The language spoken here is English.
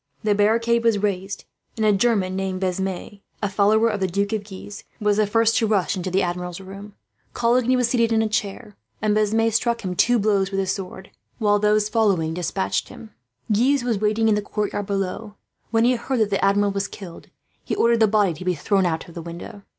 The barricade was carried, and a German named Besme, a follower of the Duke of Guise, was the first to rush into the Admiral's room. Coligny was calmly seated in a chair, and Besme struck him two blows with his sword, while those following despatched him. Guise was waiting in the courtyard below. When he heard that the Admiral was killed, he ordered the body to be thrown out of the window.